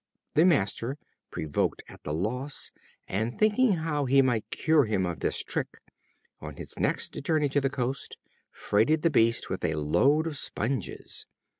The Master, provoked at the loss, and thinking how he might cure him of this trick, on his next journey to the coast freighted the beast with a load of sponges.